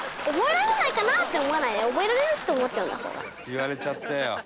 「言われちゃったよ」